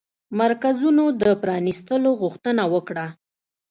مرکزونو د پرانيستلو غوښتنه وکړه